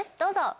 どうぞ！